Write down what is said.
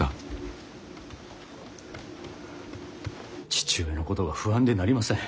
父上のことが不安でなりません。